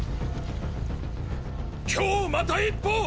今日また一歩！！